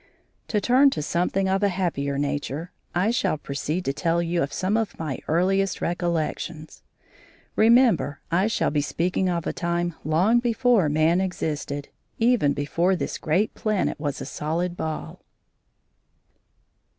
To turn to something of a happier nature, I shall proceed to tell you of some of my earliest recollections. Remember I shall be speaking of a time long before man existed even before this great planet was a solid ball.